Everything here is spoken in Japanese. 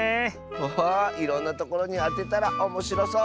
ハハーいろんなところにあてたらおもしろそう！